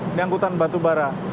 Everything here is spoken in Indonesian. ini angkutan batu bara